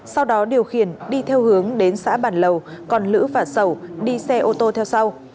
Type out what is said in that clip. sau đó điều khiển đi theo hướng đến xã bản lầu còn lữ và sầu đi xe ô tô theo sau